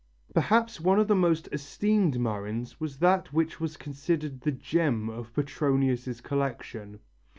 Perhaps one of the most esteemed murrhines was that which was considered the gem of Petronius' collection.